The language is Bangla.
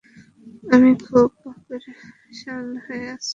আমি খুব পেরেশান হয়ে এসেছি।